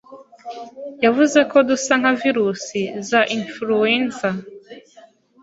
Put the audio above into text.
yavuze ko dusa nka virusi za influenza,